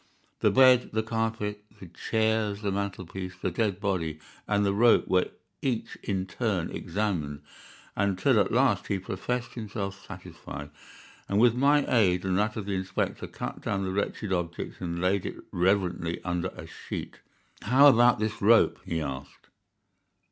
The bed, the carpet, the chairs the mantelpiece, the dead body, and the rope were each in turn examined, until at last he professed himself satisfied, and with my aid and that of the inspector cut down the wretched object and laid it reverently under a sheet. "How about this rope?" he asked.